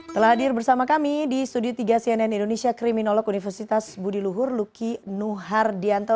telah hadir bersama kami di studio tiga cnn indonesia kriminolog universitas budi luhur luki nuhardianto